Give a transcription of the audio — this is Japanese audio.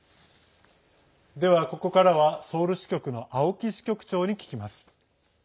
では、ここからはソウル支局の青木支局長に聞きます。